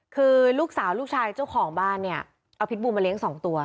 คือลูกสาวลูกชายเจ้าของบ้านเนี่ยเอาพิษบูมาเลี้ยง๒ตัว